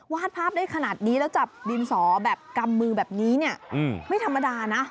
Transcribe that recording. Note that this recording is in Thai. วาดภาพได้ขนาดนี้แล้วจับดินสอแบบกำมือแบบนี้เนี่ยไม่ธรรมดานะ